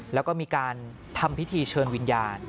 แล้วก็มีการทำพิธีเชิญวิญญาณ